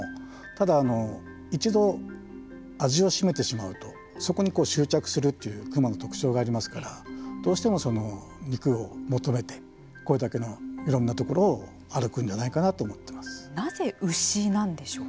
ただ、一度味をしめてしまうとそこに執着するクマの特徴がありますからどうしても、肉を求めてこれだけのいろんなところを歩くんじゃないかなと思っています。